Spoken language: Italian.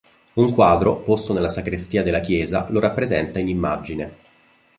Un quadro, posto nella sacrestia della chiesa, lo rappresenta in immagine.